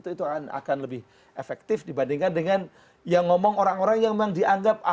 itu akan lebih efektif dibandingkan dengan yang ngomong orang orang yang memang dianggap